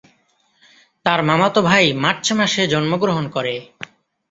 তার মামাতো ভাই মার্চ মাসে জন্মগ্রহণ করে।